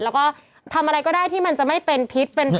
แล้วก็ทำอะไรก็ได้ที่มันจะไม่เป็นพิษ